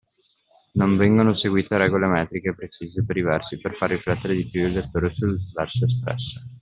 Non vengono seguite regole metriche precise per i versi per far riflettere di più il lettore sul verso espresso.